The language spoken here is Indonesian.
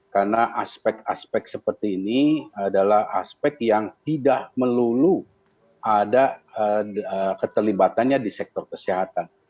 karena aspek aspek seperti ini adalah aspek yang tidak melulu ada keterlibatannya di sektor kesehatan